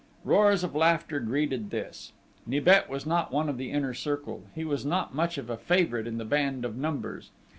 Roars of laughter greeted this. Nibet was not one of the inner circle; he was not much of a favourite in the band of Numbers.